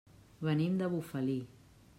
Venim de Bufali.